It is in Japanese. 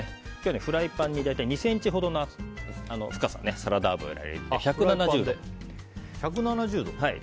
フライパンに２ｃｍほどの深さのサラダ油を入れて１７０度。